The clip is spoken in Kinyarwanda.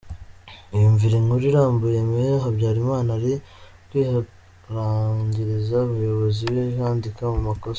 Iyumvire Inkuru irambuye Meya Habyarimana ari kwihanangiriza abayobozi bijandika mu makosa.